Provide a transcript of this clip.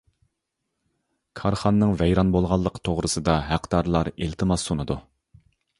كارخانىنىڭ ۋەيران بولغانلىقى توغرىسىدا ھەقدارلار ئىلتىماس سۇنىدۇ.